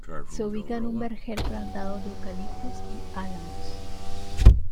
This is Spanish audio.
Se ubica en un vergel plantado de eucaliptos y álamos.